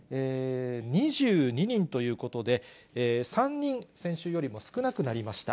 ２２人ということで、３人、先週よりも少なくなりました。